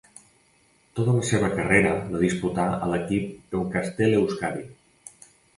Tota la seva carrera la disputà a l'equip Euskaltel-Euskadi.